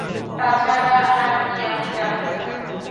তাছাড়া আর কি আমি জানি না।